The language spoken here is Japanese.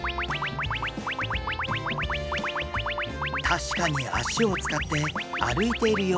確かに足を使って歩いているように見えます。